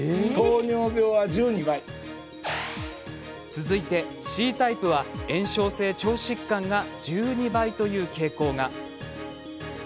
続いてＣタイプは炎症性腸疾患が１２倍という傾向が。